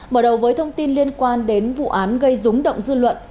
mở đầu với thông tin liên quan đến vụ án gây rúng động dư luận